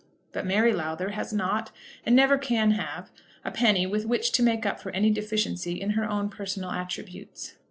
But Mary Lowther has not, and never can have, a penny with which to make up for any deficiency in her own personal attributes.